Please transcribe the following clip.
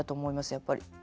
やっぱり。